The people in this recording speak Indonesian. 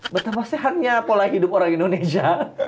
betapa sehatnya pola hidup orang indonesia